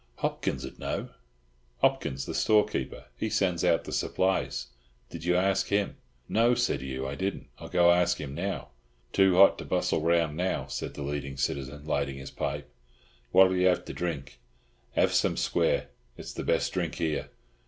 "Hopkins'd know. Hopkins, the storekeeper. He sends out the supplies. Did you ask him?" "No," said Hugh. "I didn't. I'll go and ask him now." "Too hot to bustle round now," said the leading citizen, lighting his pipe. "What'll you have to drink? Have some square; it's the best drink here."